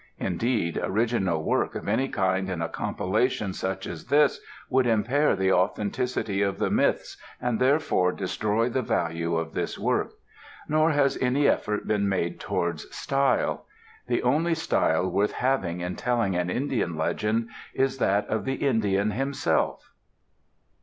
Indeed, original work of any kind in a compilation such as this would impair the authenticity of the myths, and therefore destroy the value of this work. Nor has any effort been made towards "style." The only style worth having in telling an Indian legend is that of the Indian himself.